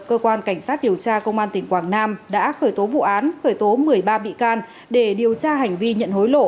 cơ quan cảnh sát điều tra công an tỉnh quảng nam đã khởi tố vụ án khởi tố một mươi ba bị can để điều tra hành vi nhận hối lộ